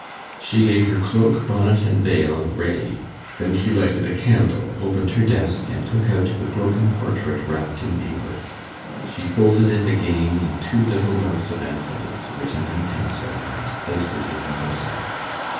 She laid her cloak, bonnet, and veil ready; then she lighted a candle, opened her desk, and took out the broken portrait wrapped in paper. She folded it again in two little notes of Anthony's, written in pencil, and placed it in her bosom.